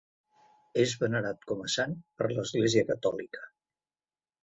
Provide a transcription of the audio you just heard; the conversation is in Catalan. És venerat com a sant per l'església Catòlica.